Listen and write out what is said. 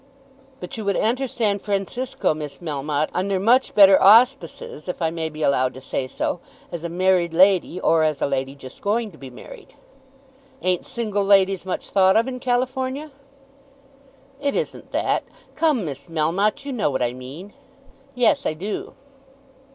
"But you would enter San Francisco, Miss Melmotte, under such much better auspices, if I may be allowed to say so, as a married lady or as a lady just going to be married." "Ain't single ladies much thought of in California?" "It isn't that. Come, Miss Melmotte, you know what I mean." "Yes, I do."